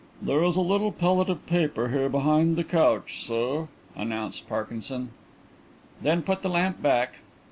"There is a little pellet of paper here behind the couch, sir," announced Parkinson. "Then put the lamp back."